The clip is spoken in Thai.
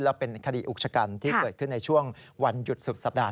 และเป็นคดีอุกชะกันที่เกิดขึ้นในช่วงวันหยุดสุดสัปดาห